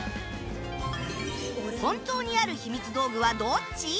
本当にあるひみつ道具はどっち？